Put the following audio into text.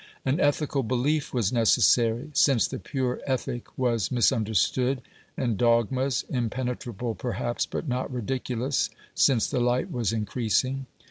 An ethical belief was necessary, since the pure ethic was misunderstood, and dogmas, impenetrable perhaps but not ridiculous, since the light was increasing.